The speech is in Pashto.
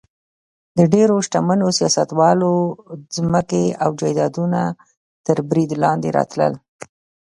د ډېرو شتمنو سیاستوالو ځمکې او جایدادونه تر برید لاندې راتلل.